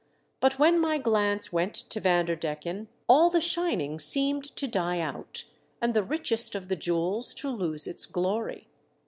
But when my glance went to Van derdecken, all the shining seemed to die out, and the richest of the jewels to lose its glory.